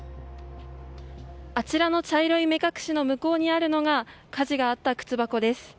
あちらの茶色い目隠しの向こうにあるのが火事があった靴箱です。